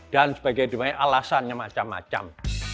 dan sebagai alasannya macam macam